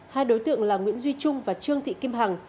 hai đối tượng là nguyễn duy trung và trương thị kim hằng